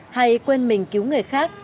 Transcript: hay quên mình cứu người khác